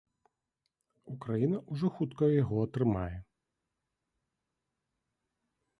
Украіна ўжо хутка яго атрымае.